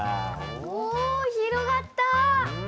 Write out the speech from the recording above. お広がった！